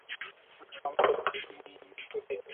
Tom সত্যিই কুটিল।